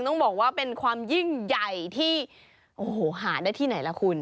ต้องบอกว่าเป็นความยิ่งใหญ่ที่โอ้โหหาได้ที่ไหนล่ะคุณ